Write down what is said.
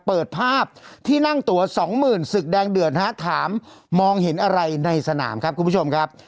เปิดภาพที่นั่งตัวสองหมื่นศึกแดงเดือดฮะถามมองเห็นอะไรในสนามครับคุณผู้ชมครับ